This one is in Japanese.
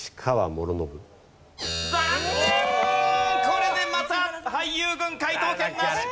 これでまた俳優軍解答権なし。